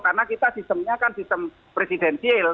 karena kita sistemnya kan sistem presidenil